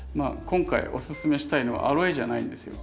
今回おススメしたいのはアロエじゃないんですよ。